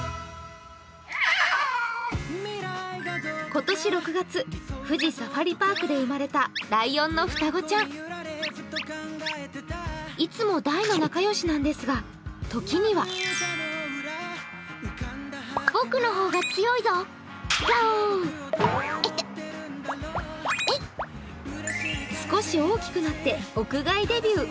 今年６月、富士サファリパークで生まれたライオンの双子ちゃんいつも大の仲よしなんですがときには少し大きくなって屋外デビュー。